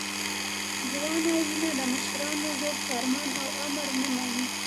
ځوانه وینه د مشرانو زوړ فرمان او امر نه مني.